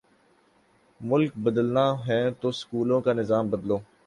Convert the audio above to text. ملک بدلنا ہے تو سکولوں کا نظام بدلو۔